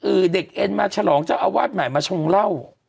เด็กเอ็นมาฉลองเจ้าอาวาสใหม่มาชงเหล้า